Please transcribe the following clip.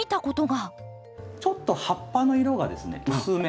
ちょっと葉っぱの色がですね薄め。